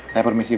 saya permisi bu